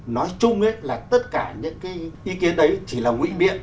nói chung là tất cả những cái ý kiến đấy chỉ là ngũy miệng